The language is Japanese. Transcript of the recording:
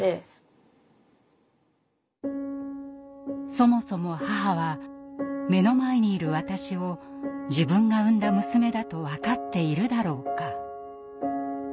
「そもそも母は目の前にいる私を自分が産んだ娘だと分かっているだろうか？」。